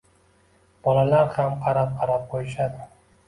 Bolalar ham qarab -qarab qoʻyishadi